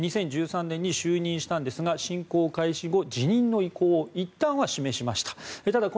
２０１３年に就任したんですが侵攻開始後辞任の意向をいったんは示しました。